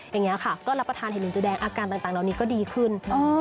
อย่างนี้ค่ะก็รับประทานเห็ดลิงจูแดงอาการต่างเหล่านี้ก็ดีขึ้น